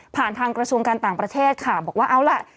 ทางกระทรวงการต่างประเทศค่ะบอกว่าเอาล่ะ